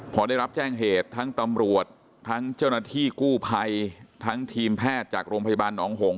พอได้รับแจ้งเหตุทั้งตำรวจทั้งเจ้าหน้าที่กู้ภัยทั้งทีมแพทย์จากโรงพยาบาลหนองหง